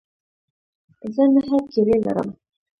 زه نهه کیلې لرم.